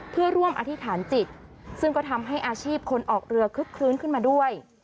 เพื่อร่วมอธิษฐานจิตซึ่งก็ทำให้อาชีพคนออกเรือคึกคลื้นขึ้นมาด้วย